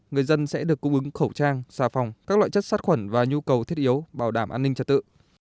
người dân sẽ được cung ứng khẩu trang xà phòng các loại chất sát khuẩn và nhu cầu thiết yếu bảo đảm an ninh trật tự